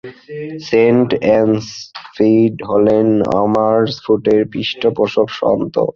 Saint Ansfried হলেন আমার্সফুর্টের পৃষ্ঠপোষক সন্ত।